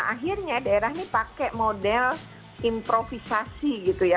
akhirnya daerah ini pakai model improvisasi